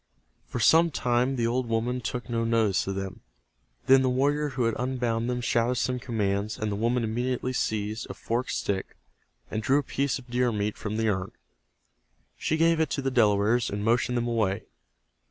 For some time the old woman took no notice of them. Then the warrior who had unbound them shouted some commands, and the woman immediately seized a forked stick and drew a piece of deer meat from the urn. She gave it to the Delawares, and motioned them away.